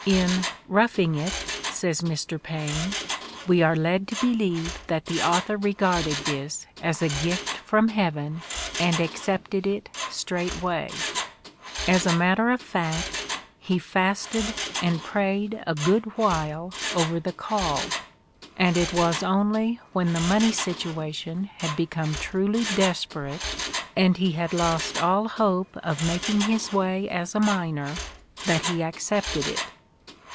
"In 'Roughing It,' " says Mr. Paine, "we are led to believe that the author re garded this as a gift from heaven and accepted it straightway. As a matter of fact, he fasted and prayed a good while over the 'call,' " and it was only when "the money situation" had become truly "desperate" and he had lost all hope of making his way as a miner that he accepted it.